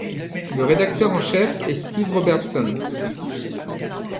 Le rédacteur en chef est Steve Robertson.